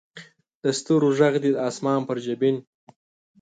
د ستورو ږغ دې د اسمان پر جبین